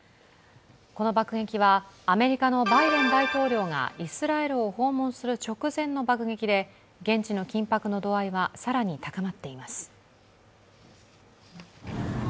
この爆撃はアメリカのバイデン大統領がイスラエルを訪問する直前の爆撃で、現地の緊迫の度合いは更に高まっています。